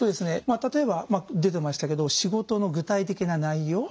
例えば出てましたけど仕事の具体的な内容。